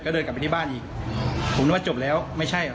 เดินกลับไปที่บ้านอีกผมนึกว่าจบแล้วไม่ใช่หรอ